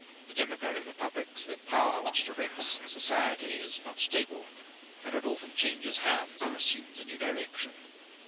In democratic republics, the power which directs *e society is not stable; for it often changes hands and assumes a new direction.